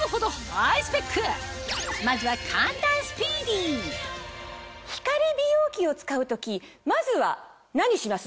ハイスペックまずは光美容器を使う時まずは何します？